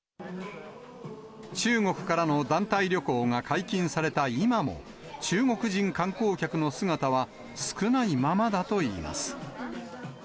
中国からの団体旅行が解禁された今も、中国人観光客の姿は少ないままだといいます。